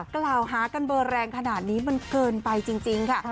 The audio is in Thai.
กล่าวหากันเบอร์แรงขนาดนี้มันเกินไปจริงค่ะ